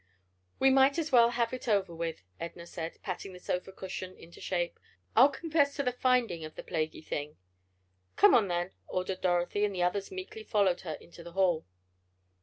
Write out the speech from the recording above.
"We might as well have it over with," Edna said, patting the sofa cushion into shape. "I'll confess to the finding of the plaguey thing." "Come on then," ordered Dorothy, and the others meekly followed her into the hall.